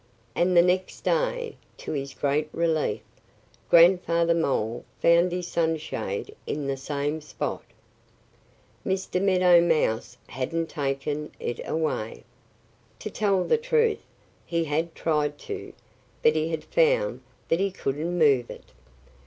And the next day, to his great relief, Grandfather Mole found his sunshade in the same spot. Mr. Meadow Mouse hadn't taken it away. To tell the truth, he had tried to; but he had found that he couldn't move it.